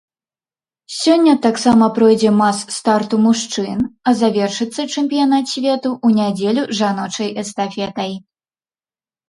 Сёння таксама пройдзе мас-старт у мужчын, а завершыцца чэмпіянат свету ў нядзелю жаночай эстафетай.